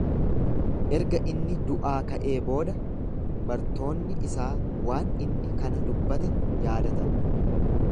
Erga inni du'aa ka'ee booda bartoonni isaa waan inni kana dubbate yaadatan.